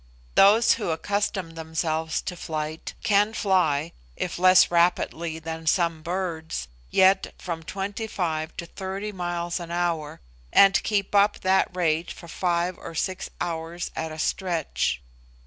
Those who accustom themselves to flight can fly, if less rapidly than some birds, yet from twenty five to thirty miles an hour, and keep up that rate for five or six hours at a stretch.